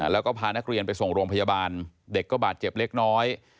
แล้วก็พานักเรียนไปส่งโรงพยาบาลเด็กก็บาดเจ็บเล็กน้อย